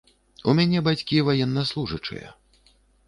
У мяне бацькі ваеннаслужачыя.